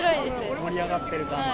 盛り上がってる感じで。